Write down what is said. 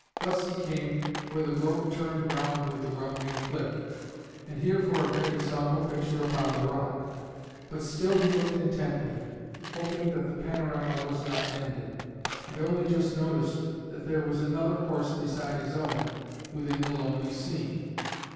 Thus he came where the road turned round with the rounding cliff, and here for a bit he saw no picture upon the rock; but still he looked intently, hoping that the panorama was not ended, and only just noticed that there was another horse beside his own within the lonely scene.